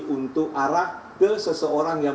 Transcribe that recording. untuk arah ke seseorang yang